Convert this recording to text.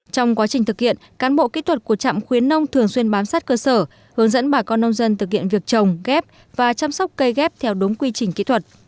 trong quá trình thực hiện cán bộ kỹ thuật của trạm khuyến nông thường xuyên bám sát cơ sở hướng dẫn bà con nông dân thực hiện việc trồng ghép và chăm sóc cây ghép theo đúng quy trình kỹ thuật